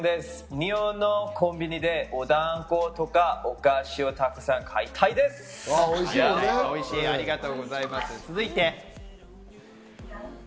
日本のコンビニでおだんごとかお菓子をたくさん買いたいです。